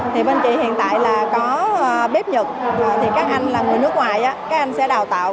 thì bên chị hiện tại là có bếp nhật thì các anh là người nước ngoài các anh sẽ đào tạo